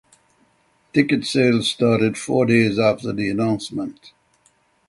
Ticket sales started four days after the announcement.